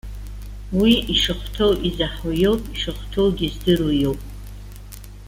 Уи ишахәҭоу изаҳауа иоуп, ишахәҭоугьы здыруа иоуп